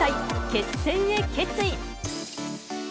決戦へ決意。